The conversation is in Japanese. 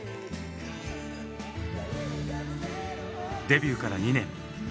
デビューから２年。